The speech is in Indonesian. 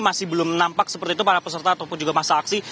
masih belum nampak seperti itu para peserta ataupun juga masa aksi